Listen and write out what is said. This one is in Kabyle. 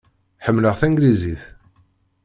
Ḥemmleɣ tanglizit.